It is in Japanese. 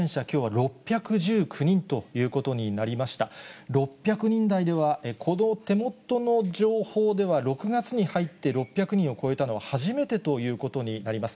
６００人台では、この手元の情報では、６月に入って６００人を超えたのは初めてということになります。